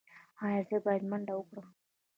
ایا زه باید منډه وکړم؟